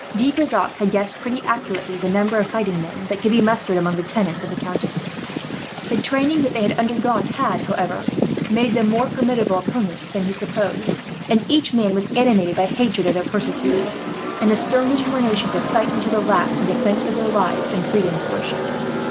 De Brissac had guessed pretty accurately the number of fighting men that could be mustered among the tenants of the countess. The training that they had undergone had, however, made them more formidable opponents than he supposed; and each man was animated by hatred of their persecutors, and a stern determination to fight until the last, in defence of their lives and freedom of worship.